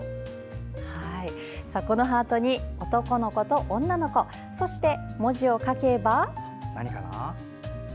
このハートに、男の子と女の子そして文字を描けば。